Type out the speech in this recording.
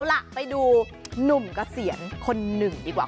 เอาล่ะไปดูหนุ่มเกษียณคนหนึ่งดีกว่า